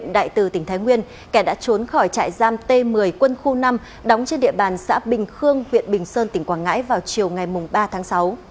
tại từ tỉnh thái nguyên kẻ đã trốn khỏi trại giam t một mươi quân khu năm đóng trên địa bàn xã bình khương huyện bình sơn tỉnh quảng ngãi vào chiều ngày ba tháng sáu